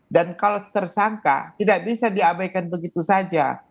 dan kalau tersangka tidak bisa diabaikan begitu saja